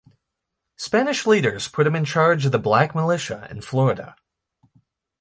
Spanish leaders put him in charge of the black militia in Florida.